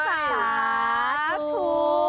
สาธุ